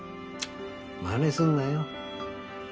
まねすんなよ。